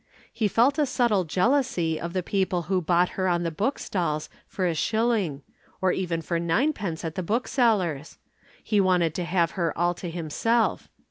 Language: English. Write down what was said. He felt a subtle jealousy of the people who bought her on the bookstalls for a shilling or even for ninepence at the booksellers'. He wanted to have her all to himself.